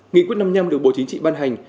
nghị quyết năm năm được bộ chính trị ban